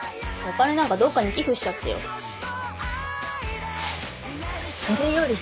お金なんかどっかに寄付しちゃってよ。